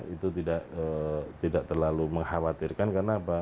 itu tidak terlalu mengkhawatirkan karena apa